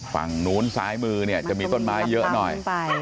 ฝั่งนู้นซ้ายมือเนี่ยจะมีต้นไม้เยอะหน่อย